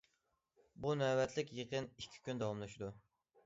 بۇ نۆۋەتلىك يىغىن ئىككى كۈن داۋاملىشىدۇ.